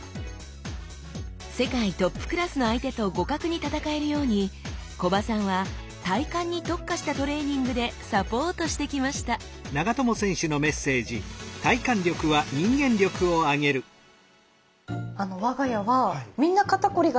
世界トップクラスの相手と互角に戦えるように木場さんは体幹に特化したトレーニングでサポートしてきました我が家はずっと。